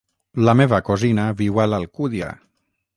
La meva cosina viu a l'Alcúdia.